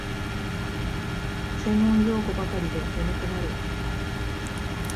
専門用語ばかりで眠くなる